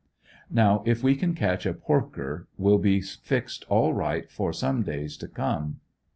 Now if we can catch a porker will be fixed all right for some days to come.